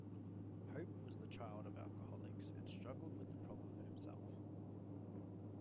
Hope was the child of alcoholics and struggled with the problem himself.